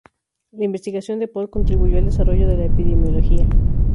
La investigación de Pott contribuyó al desarrollo de la epidemiología.